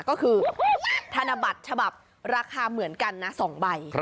ก็คือธนบัตรฉบับราคาเหมือนกันนะ๒ใบ